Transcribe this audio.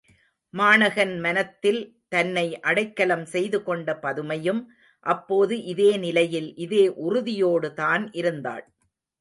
மாணகன் மனத்தில் தன்னை அடைக்கலம் செய்துகொண்ட பதுமையும் அப்போது இதே நிலையில் இதே உறுதியோடுதான் இருந்தாள்.